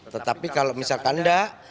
tetapi kalau misalkan enggak